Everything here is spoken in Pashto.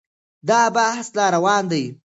دا بحث لا روان دی.